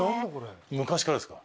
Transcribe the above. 昔からですか？